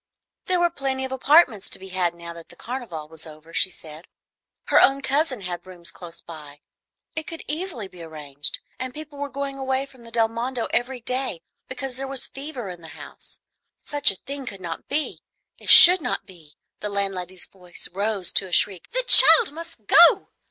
There were plenty of apartments to be had now that the Carnival was over, she said, her own cousin had rooms close by, it could easily be arranged, and people were going away from the Del Mondo every day because there was fever in the house. Such a thing could not be, it should not be, the landlady's voice rose to a shriek, "the child must go!"